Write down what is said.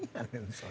それ。